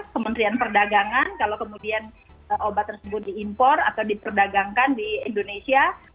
kementerian perdagangan kalau kemudian obat tersebut diimpor atau diperdagangkan di indonesia